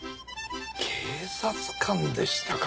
警察官でしたか。